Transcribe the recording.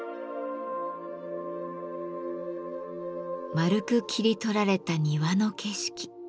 円く切り取られた庭の景色。